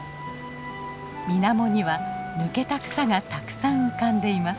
みなもには抜けた草がたくさん浮かんでいます。